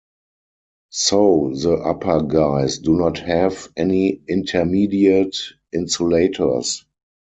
So the upper guys do not have any intermediate insulators.